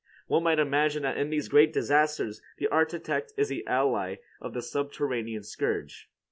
One might imagine that in these great disasters, the architect is the ally of the subterranean scourge.